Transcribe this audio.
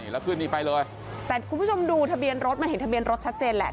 แต่คุณผู้ชมดูทะเบียนรถมันเห็นทะเบียนรถชัดเจนแหละ